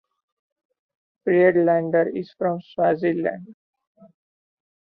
Friedlander is from Swaziland.